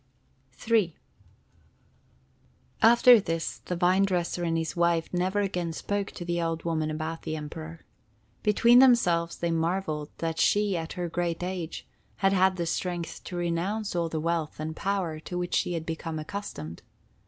III After this, the vine dresser and his wife never again spoke to the old woman about the Emperor. Between themselves they marveled that she, at her great age, had had the strength to renounce all the wealth and power to which she had become accustomed.